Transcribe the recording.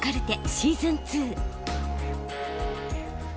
シーズン２。